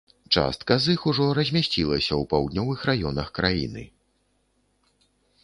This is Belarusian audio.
Частка з іх ужо размясцілася ў паўднёвых раёнах краіны.